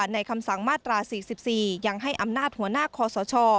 คำสั่งมาตรา๔๔ยังให้อำนาจหัวหน้าคอสช